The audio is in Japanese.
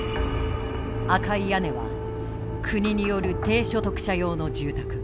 赤い屋根は国による低所得者用の住宅。